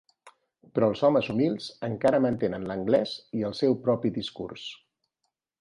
Però els homes humils encara mantenen l'anglès i el seu propi discurs.